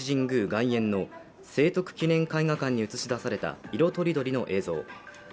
外苑の聖徳記念絵画館に映し出された色とりどりの映像。